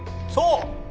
そう！